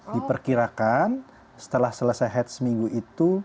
diperkirakan setelah selesai head seminggu itu